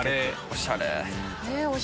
おしゃれ！